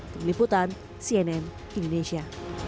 terlibutan cnn indonesia